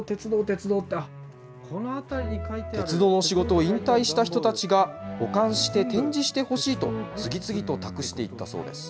鉄道の仕事を引退した人たちが、保管して展示してほしいと、次々と託していったそうです。